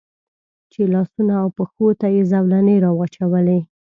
چې لاسونو او پښو ته یې زولنې را واچولې.